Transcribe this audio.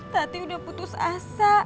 tadi udah putus asa